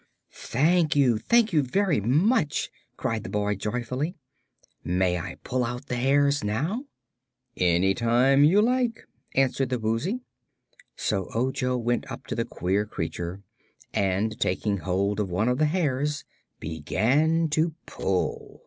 "Thank you! Thank you very much," cried the boy, joyfully. "May I pull out the hairs now?" "Any time you like," answered the Woozy. So Ojo went up to the queer creature and taking hold of one of the hairs began to pull.